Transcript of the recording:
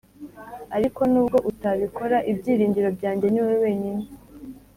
ariko nubwo utabikora ibyiringiro byanjye niwowe wenyine